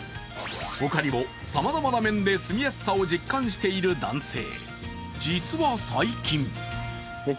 他にも、さまざまな面で住みやすさを実感している男性。